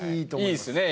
いいですね。